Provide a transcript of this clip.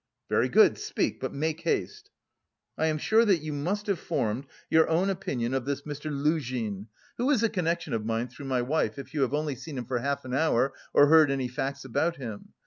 "Very good, speak, but make haste." "I am sure that you must have formed your own opinion of this Mr. Luzhin, who is a connection of mine through my wife, if you have only seen him for half an hour, or heard any facts about him.